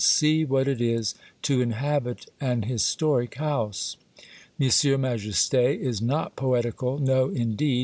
see what it is to inhabit an historic house. Monsieur Majeste is not poetical, no, indeed